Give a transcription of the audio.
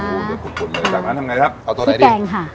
โอ้โหเดือดขุดจากนั้นทำไงครับเอาตัวไหนดิพริกแกงค่ะ